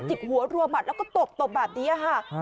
หัวรัวหมัดแล้วก็ตบตบแบบนี้ค่ะ